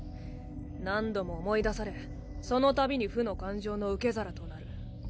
何度も思い出されその度に負の感情の受け皿となる。